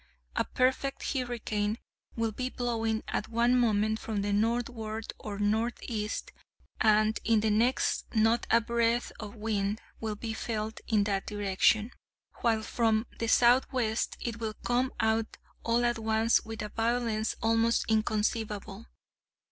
A perfect hurricane will be blowing at one moment from the northward or northeast, and in the next not a breath of wind will be felt in that direction, while from the southwest it will come out all at once with a violence almost inconceivable.